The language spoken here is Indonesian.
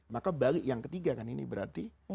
maka balik yang ketiga kan ini berarti